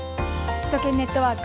首都圏ネットワーク。